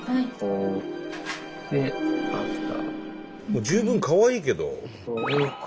もう十分かわいいけど。